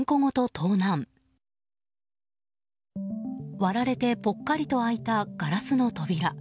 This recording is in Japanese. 割られてポッカリと空いたガラスの扉。